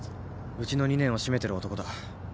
うちの２年をしめてる男だ。